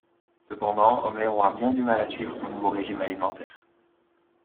Cependant, Homer aura bien du mal à suivre son nouveau régime alimentaire.